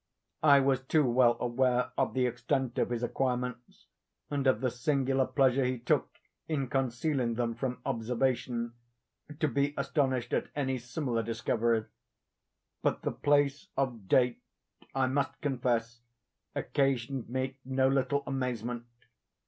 I was too well aware of the extent of his acquirements, and of the singular pleasure he took in concealing them from observation, to be astonished at any similar discovery; but the place of date, I must confess, occasioned me no little amazement.